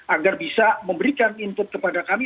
agar bisa memberikan input kepada kami